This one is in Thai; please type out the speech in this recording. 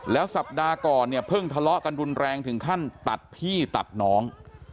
แล้วสัปดาห์ก่อนเนี่ยเพิ่งทะเลาะกันรุนแรงถึงขั้นตัดพี่ตัดน้อง